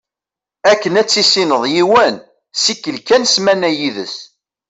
Akken ad tissineḍ yiwen, ssikel kan ssmana yid-s.